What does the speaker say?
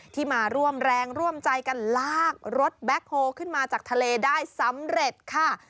ที่มาร่วมแรงร่วมใจกันลากรถแบ็คโฮขึ้นมาจากทะเลได้สำเร็จค่ะ